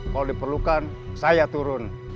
kalau diperlukan saya turun